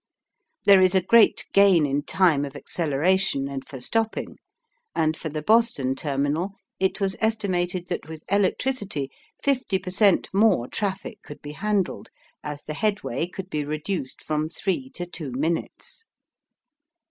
There is a great gain in time of acceleration and for stopping, and for the Boston terminal it was estimated that with electricity 50 per cent, more traffic could be handled, as the headway could be reduced from three to two minutes.